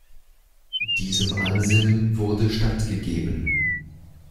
Diesem Ansinnen wurde stattgegeben.